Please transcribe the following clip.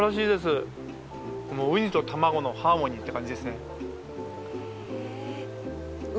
もうウニと卵のハーモニーって感じですね。